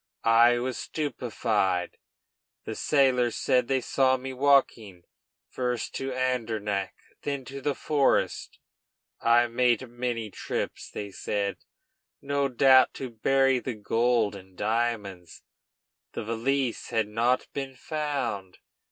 I was stupefied. The sailors said they saw me walking, first to Andernach, then to the forest. I made many trips, they said, no doubt to bury the gold and diamonds. The valise had not been found.